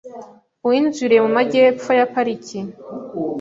Uwinjiriye mu Majyepfo ya Pariki